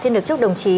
xin được chúc đồng chí